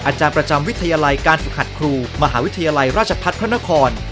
อาจารย์ประจำวิทยาลัยการฝึกหัดครูมหาวิทยาลัยราชพัฒน์พระนคร